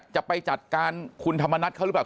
จะไปจัดการคุณธรรมนัฐเขาหรือเปล่า